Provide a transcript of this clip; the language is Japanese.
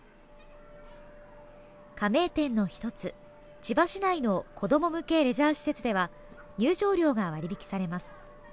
加盟店の１つ、千葉市内の子ども向けレジャー施設では入場料が割引されます。